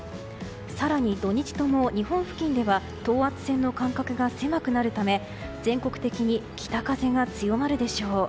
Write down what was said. さらに土日ともに日本付近では等圧線の間隔が狭くなるため全国的に北風が強まるでしょう。